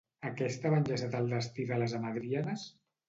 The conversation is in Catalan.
A què estava enllaçat el destí de les hamadríades?